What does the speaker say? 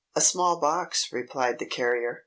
"A small box," replied the carrier.